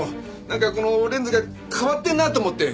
なんかこうレンズが変わってるなと思って。